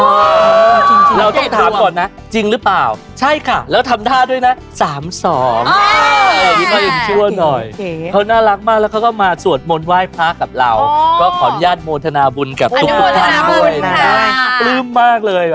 เราต้องถามก่อนนะจริงหรือเปล่าใช่ค่ะแล้วทำท่าด้วยนะสามสองน่ารักมากแล้วเขาก็มาสวดมนต์ไหว้พระกับเราก็ขออนุญาตโมทนาบุญกับทุกคนค่ะปลื้มมากเลย